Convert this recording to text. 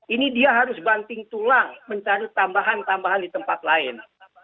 ini dia harus banting tulang mencari tambahan tambahan di tempat lain